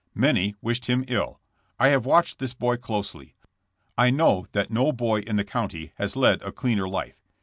Many wished him ill. I have watched this boy closely. I know that no boy in the county has led a cleaner life.